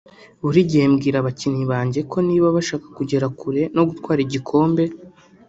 Buri gihe mbwira abakinnyi banjye ko niba bashaka kugera kure no gutwara igikombe